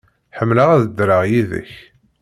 Ḥemmleɣ ad ddreɣ yid-k.